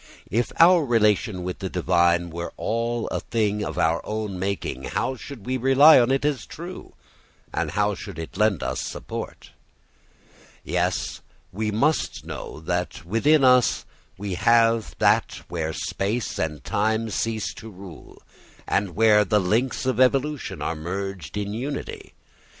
If our relation with the divine were all a thing of our own making, how should we rely on it as true, and how should it lend us support? Yes, we must know that within us we have that where space and time cease to rule and where the links of evolution are merged in unity.